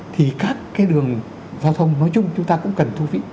thì các cái đường giao thông nói chung chúng ta cũng cần thu phí